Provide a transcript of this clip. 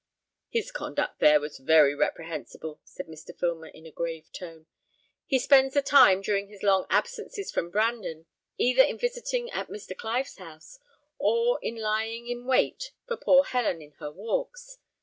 "His conduct there was very reprehensible," said Mr. Filmer, in a grave tone. "He spends the time during his long absences from Brandon either in visiting at Mr. Clive's house, or in lying in wait for poor Helen in her walks.